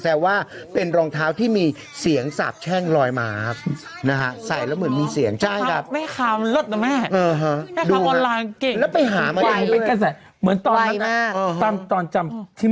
คือไม่ต้องอะไรหรอกกระเป๋าไอ้เปรี้ยวจำได้ไหม